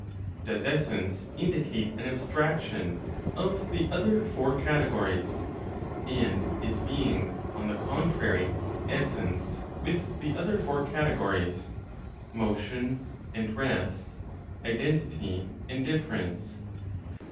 Does essence indicate an abstraction of the other (four categories), and is being, on the contrary, essence with the other (four categories), motion and rest, identity and difference?